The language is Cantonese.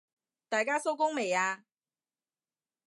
大家收工未啊？